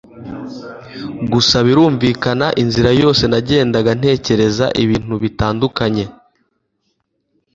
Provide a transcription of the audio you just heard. gusa birumvikana inzira yose nagendaga ntekereza ibintu bitandukanye